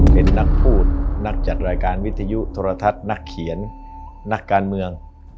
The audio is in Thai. เป็นนักพูดนักจัดรายการวิทยุโทรทัศน์นักเขียนนักการเมือง